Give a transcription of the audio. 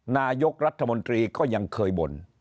นายกรัฐมนตรีก็ยังเคยบ่น